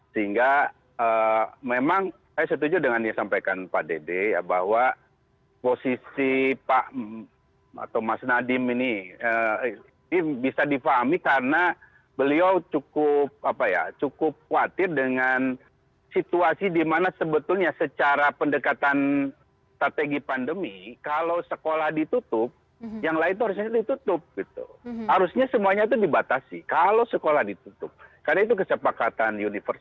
sehingga memang saya setuju dengan yang disampaikan pak dede bahwa posisi pak atau mas nadiem ini bisa difahami karena beliau cukup khawatir dengan situasi di mana sebetulnya secara pendekatan